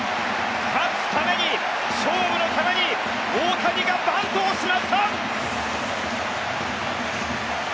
勝つために、勝負のために大谷がバントをしました！